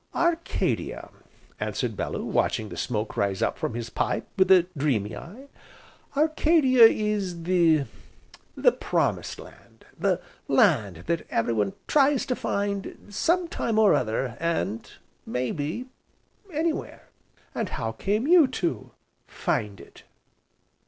"Arcadia," answered Bellew, watching the smoke rise up from his pipe, with a dreamy eye, "Arcadia is the Promised Land, the Land that everyone tries to find, sometime or other, and may be anywhere." "And how came you to find it?"